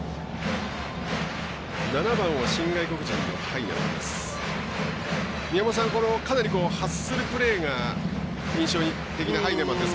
７番は新外国人のハイネマンです。